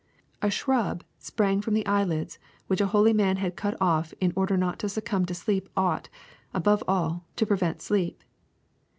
A shrub sprung from the eyelids which a holy man had cut off in order not to succumb to sleep ought, above all, to prevent sleep.